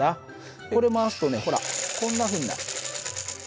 これ回すとねほらこんなふうになる。